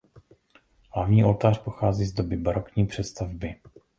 Hlavní oltář pochází z doby barokní přestavby.